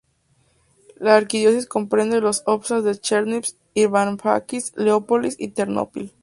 La arquidiócesis comprende los óblast de Chernivtsi, Ivano-Frankivsk, Leópolis y Ternópil.